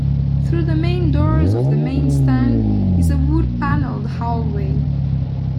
Through the main doors of the Main Stand is a wood-panelled hallway.